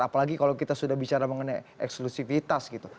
apalagi kalau kita sudah bicara mengenai eksklusifitas gitu